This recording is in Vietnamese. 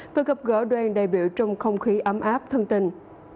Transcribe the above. và gặp gỡ đoàn đại biểu trong không khí ấm áp thân tình